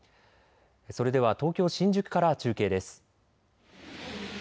それでは東京新宿から中継です。